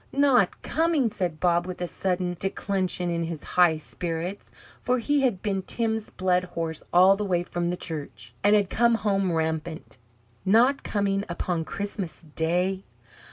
"Not coming?" said Bob, with a sudden declension in his high spirits; for he had been Tim's blood horse all the way from the church, and had come home rampant. "Not coming upon Christmas Day?"